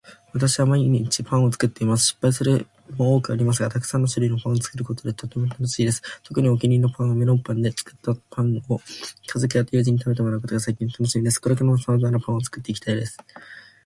私は毎日パンを作っています。失敗も多くありますがたくさんの種類パンを作ることはとても楽しいです。特にお気に入りのパンは、メロンパンで、作ったパンを家族や友人に食べてもらうことが最近のたのしみです。これからも様々なパンを作っていきたいです。